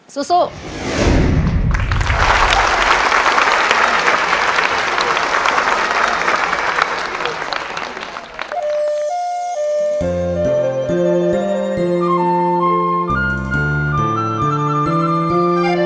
สู้